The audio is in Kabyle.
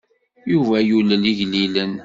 Yuba yulel igellilen.